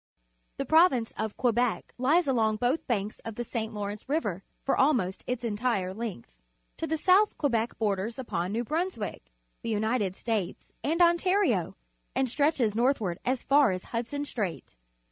— The Prov ince of Quebec Ues along both banks of the St. Lawrence River for almost its entire length. To the south Quebec borders upon New Brunswick, the United States, and Ontario, and stretches northward as far as Hudson Strait.